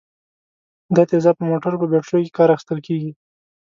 دا تیزاب په موټرو په بټریو کې کار اخیستل کیږي.